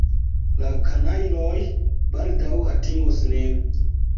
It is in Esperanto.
La kanajloj baldaŭ atingos nin.